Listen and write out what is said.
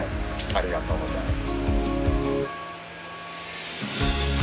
ありがとうございます。